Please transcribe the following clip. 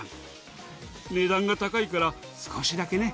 値段が高いから少しだけね。